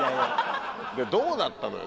でどうだったのよ？